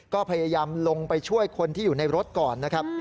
ก็พยายามลงไปช่วยคนที่อยู่ในรถก่อนนะครับ